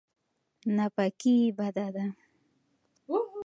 ناپاکي بده ده.